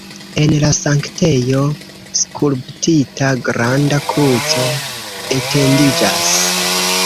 En la sanktejo skulptita granda kruco etendiĝas.